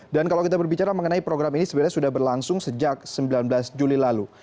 dan kalau kita berbicara mengenai program ini sebenarnya sudah berlangsung sejak sembilan belas juli lalu